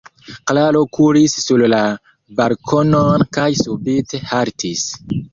Klaro kuris sur la balkonon kaj subite haltis.